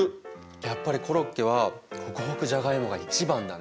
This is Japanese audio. やっぱりコロッケはほくほくじゃがいもが一番だね。